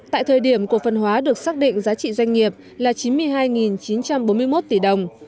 tại thời điểm cổ phần hóa được xác định giá trị doanh nghiệp là chín mươi hai chín trăm bốn mươi một tỷ đồng